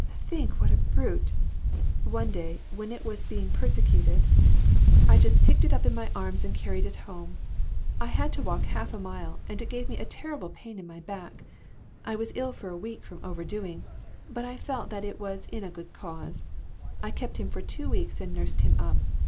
Think what a brute ! One day, when it was being persecuted, WITHOUT ARE DOGS. 269 I just picked it up in my arms and carried it home. I had to walk a half a mile, and it gave me a terrible pain in my back. I was ill for a week from overdoing, but I felt that it was in a good cause. I kept him for two weeks and nursed him up.